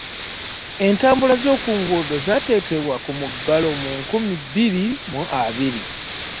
Entambula zokunguudo zaateekebwa ku mugggalo mu nkumi bbiri mu abiri.